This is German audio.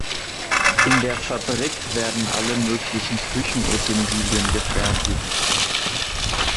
In der Fabrik werden alle möglichen Küchenutensilien gefertigt.